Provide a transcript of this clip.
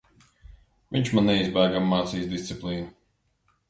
Viņš man neizbēgami mācīs disciplīnu.